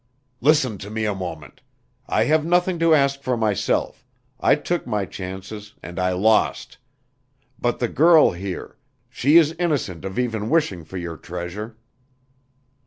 "Listen to me a moment. I have nothing to ask for myself, I took my chances and I lost. But the girl here she is innocent of even wishing for your treasure."